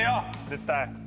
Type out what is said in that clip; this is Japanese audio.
絶対。